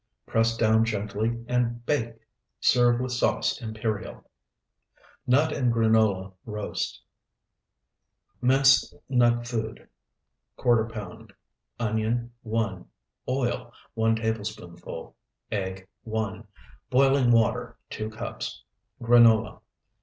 Press down gently and bake. Serve with sauce imperial. NUT AND GRANOLA ROAST Minced nut food, ¼ pound. Onion, 1. Oil, 1 tablespoonful. Egg, 1. Boiling water, 2 cups. Granola.